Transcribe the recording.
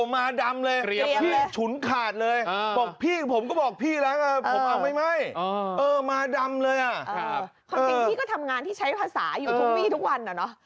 ภารกิจพี่ก็ทำงานที่ใช้ภาษาอยู่ทุกวีทุกวันเหรอเนอะ